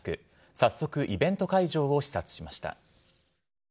早速、イベント会場を視察しました。